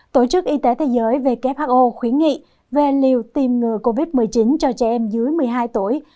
tổ chức y tế thế giới who khuyến nghị về liều tiêm ngừa covid một mươi chín cho trẻ em dưới một mươi hai tuổi